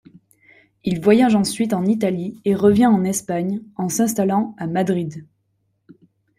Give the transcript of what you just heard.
Il voyage ensuite en Italie et revient en Espagne, en s'installant à Madrid.